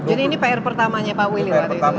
jadi ini pr pertamanya pak willy waktu itu